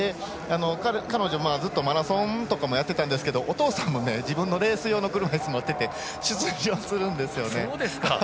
彼女ずっとマラソンとかもやってたんですけどお父さんも自分のレース用の車いすを持ってきて出場するんですね。